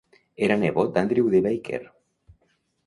Era nebot d'Andrew D. Baker.